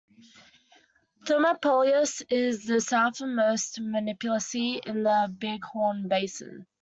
Thermopolis is the southern-most municipality in the Big Horn Basin.